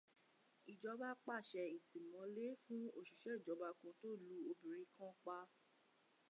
Ìjọba pàṣẹ ìtìmọ́lé fún òṣìṣẹ́ ìjọba kan tó lú obìnrin kan pa.